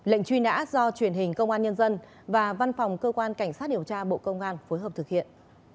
lệnh truy nã do truyền hình công an nhân dân và văn phòng cơ quan cảnh sát điều tra bộ công an phối hợp thực hiện